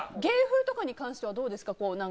芸風とかに関してはどうですか？